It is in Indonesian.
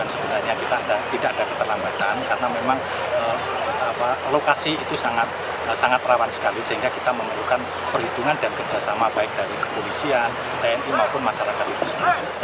sebenarnya kita tidak ada keterlambatan karena memang lokasi itu sangat rawan sekali sehingga kita memerlukan perhitungan dan kerjasama baik dari kepolisian tni maupun masyarakat itu sendiri